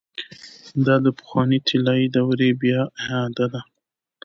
دا د پخوانۍ طلايي دورې بيا اعاده ده.